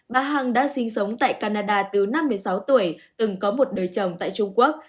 bà hằng đang sinh sống tại canada từ năm mươi sáu tuổi từng có một đời chồng tại trung quốc